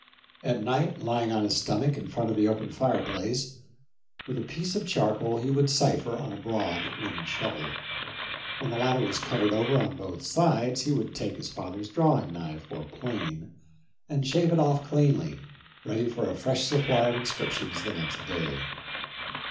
At night, lying on his stomach in front of the open fireplace, with a piece of charcoal he would cipher on a broad wooden shovel. When the latter was covered over on both sides" he would take his father's drawing knife or THE LIFE OF LINCOLN. 43 plane and shave it off clean, ready for a fresh supply of inscriptions the next day.